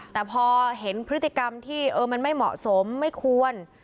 แต่พอเห็นพฤติกรรมที่มันไม่เหมาะสมไม่ควร